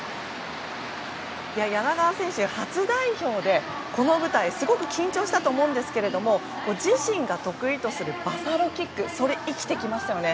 柳川選手、初代表ですごく緊張したと思うんですけれども自身が得意とするバサロキックが生きてきましたね。